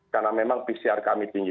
karena memang pcr kami tinggi